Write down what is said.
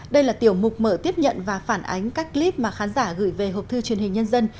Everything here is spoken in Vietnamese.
đây là tiểu mục mở tiếp nhận và phản ánh các clip mà khán giả gửi về học thư truyền hình nhân dân